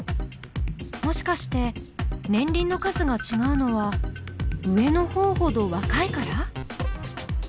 もしかして年輪の数がちがうのは上のほうほど若いから？